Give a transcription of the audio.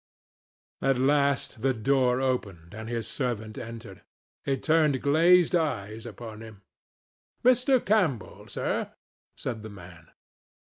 At last the door opened and his servant entered. He turned glazed eyes upon him. "Mr. Campbell, sir," said the man.